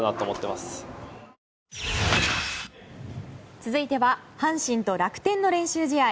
続いては阪神と楽天の練習試合。